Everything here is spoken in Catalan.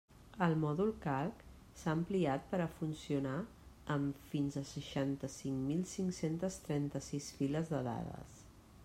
El mòdul Calc s'ha ampliat per a funcionar amb fins a seixanta-cinc mil cinc-centes trenta-sis files de dades.